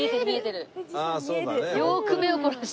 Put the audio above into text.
よーく目を凝らして。